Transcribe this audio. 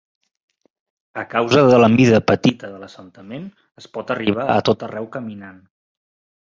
A causa de la mida petita de l'assentament, es pot arribar a tot arreu caminant.